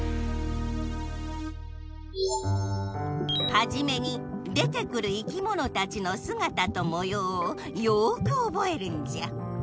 はじめに出てくる生きものたちのすがたともようをよくおぼえるんじゃ。